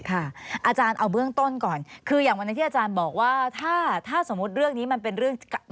อาจารย์เอาเบื้องต้นก่อนคืออย่างวันนี้ที่อาจารย์บอกว่าถ้าสมมุติเรื่องนี้มันเป็นเรื่อง